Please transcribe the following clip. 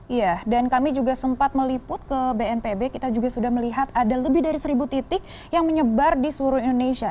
iya dan kami juga sempat meliput ke bnpb kita juga sudah melihat ada lebih dari seribu titik yang menyebar di seluruh indonesia